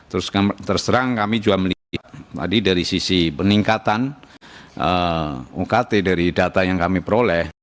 terus terserang kami juga melihat tadi dari sisi peningkatan ukt dari data yang kami peroleh